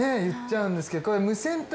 言っちゃうんですけど。